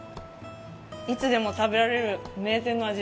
いつでも食べられる名店の味。